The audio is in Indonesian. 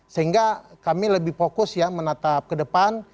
sehingga kami lebih fokus ya menatap ke depan